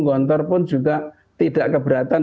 gontor pun juga tidak keberatan